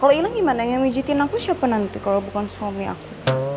kalau hilang gimana yang mijitin aku siapa nanti kalau bukan suami aku